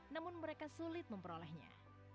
namun mereka sulit memperolehnya